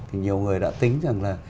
thì nhiều người đã tính rằng là